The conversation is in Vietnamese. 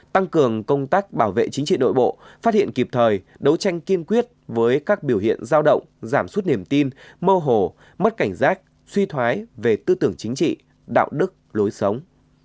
tăng cường công tác bảo vệ chính trị nội bộ phát hiện kịp thời đấu tranh kiên quyết với các biểu hiện giao động giảm suất niềm tin mơ hồ mất cảnh giác suy thoái về tư tưởng chính trị đạo đức lối sống